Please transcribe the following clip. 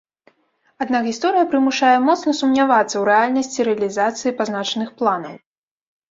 Аднак гісторыя прымушае моцна сумнявацца ў рэальнасці рэалізацыі пазначаных планаў.